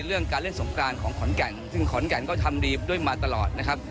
เรื่องการเล่นสงการของขอนแก่นซึ่งขอนแก่นก็ทำดีด้วยมาตลอดนะครับ